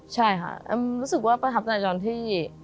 ใช่ค่ะแอมรู้สึกว่าประทับใจตอนที่